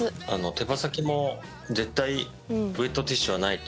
手羽先も絶対ウェットティッシュはないと。